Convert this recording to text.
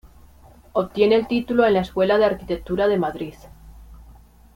Obtiene el título en la Escuela de Arquitectura de Madrid.